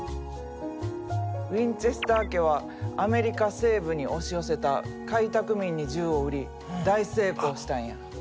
ウィンチェスター家はアメリカ西部に押し寄せた開拓民に銃を売り大成功したんや。